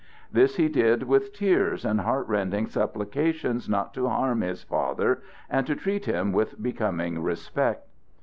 This he did with tears and heart rending supplications not to harm his father and to treat him with becoming respect.